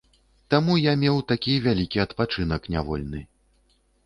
Таму я меў такі вялікі адпачынак нявольны.